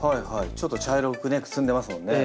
ちょっと茶色くねくすんでますもんね。